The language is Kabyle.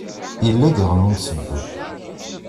Yella diɣen umusebbel.